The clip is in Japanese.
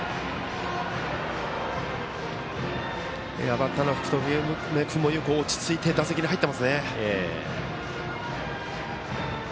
バッターの福留君もよく落ち着いて打席に入ってますね。